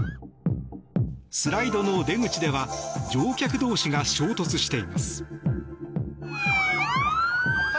スライドの出口では客同士が衝突しています。